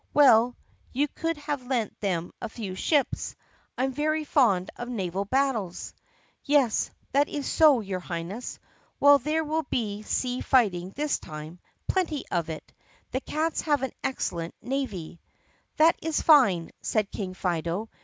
"Well, you could have lent them a few ships. I 'm very fond of naval battles." "Yes, that is so, your Highness. Well, there will be sea fighting this time, plenty of it. The cats have an excellent navy." "That is fine," said King Fido.